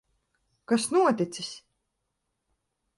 Kas noticis?